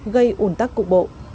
gây ủn tắc cục bộ